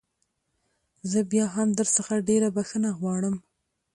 زه بيا هم درڅخه ډېره بخښنه غواړم.